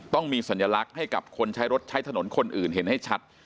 ต้องมีสัญลักษณ์ให้กับคนใช้รถใช้ถนนคนอื่นเห็นให้ชัด